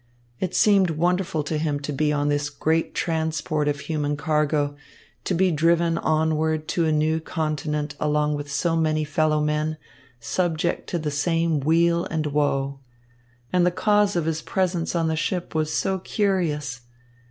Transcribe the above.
It seemed wonderful to him to be on this great transport of human cargo, to be driven onward to a new continent along with so many fellow men, subject to the same weal and woe. And the cause of his presence on the ship was so curious!